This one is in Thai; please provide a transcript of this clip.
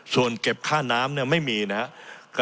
ส่วนเก็บค่าน้ำเนี่ยไม่มีนะครับ